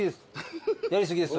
やり過ぎです